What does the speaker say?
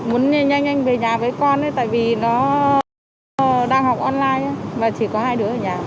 muốn nhanh anh về nhà với con tại vì nó đang học online và chỉ có hai đứa ở nhà